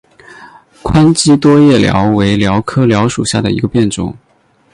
宽基多叶蓼为蓼科蓼属下的一个变种。